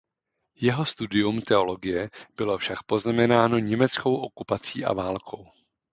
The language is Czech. Jeho studium teologie bylo však poznamenáno německou okupací a válkou.